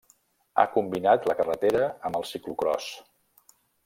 Ha combinat la carretera amb el ciclocròs.